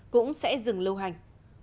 cũng sẽ dừng lâu hành